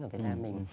ở việt nam mình